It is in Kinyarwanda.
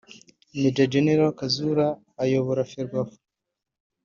Maj Gen Kazura ayobora Ferwafa